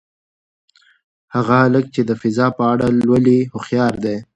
هغه هلک چې د فضا په اړه لولي هوښیار دی.